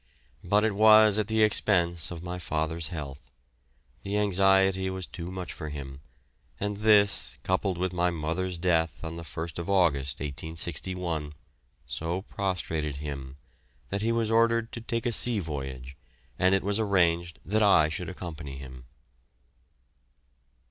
But it was at the expense of my father's health; the anxiety was too much for him, and this, coupled with my mother's death on the 1st August, 1861, so prostrated him, that he was ordered to take a sea voyage, and it was arranged that I should accompany him.